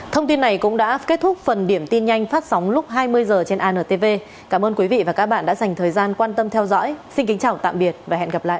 thông tin này cũng đã kết thúc phần điểm tin nhanh phát sóng lúc hai mươi h trên antv cảm ơn quý vị và các bạn đã dành thời gian quan tâm theo dõi xin kính chào tạm biệt và hẹn gặp lại